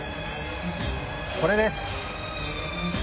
これです。